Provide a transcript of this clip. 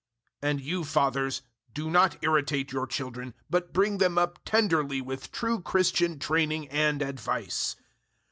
006:004 And you, fathers, do not irritate your children, but bring them up tenderly with true Christian training and advice.